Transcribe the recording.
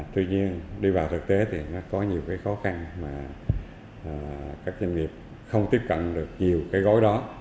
tuy nhiên đi vào thực tế thì nó có nhiều cái khó khăn mà các doanh nghiệp không tiếp cận được nhiều cái gói đó